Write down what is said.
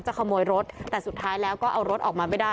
ขโมยรถแต่สุดท้ายแล้วก็เอารถออกมาไม่ได้